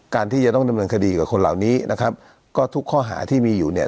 ที่จะต้องดำเนินคดีกับคนเหล่านี้นะครับก็ทุกข้อหาที่มีอยู่เนี่ย